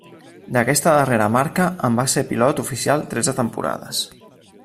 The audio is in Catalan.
D'aquesta darrera marca en va ser pilot oficial tretze temporades.